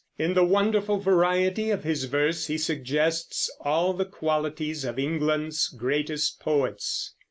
In the wonderful variety of his verse he suggests all the qualities of England's greatest poets.